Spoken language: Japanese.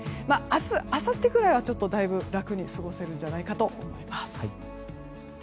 明日あさってくらいはだいぶ楽に過ごせるんじゃないかと思います。